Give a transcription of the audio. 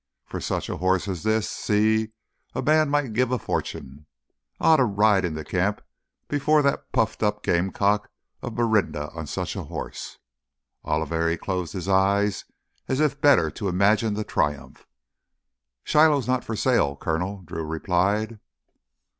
For such a horse as this—sí, a man might give a fortune! Ah, to ride into camp before that puffed up gamecock of a Merinda on such a horse!" Oliveri closed his eyes as if better to imagine the triumph. "Shiloh's not for sale, Coronel," Drew replied.